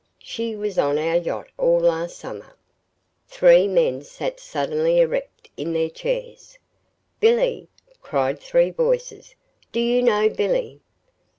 She was on our yacht all last summer." Three men sat suddenly erect in their chairs. "Billy?" cried three voices. "Do you know Billy?"